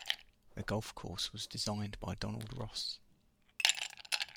The golf course was designed by Donald Ross.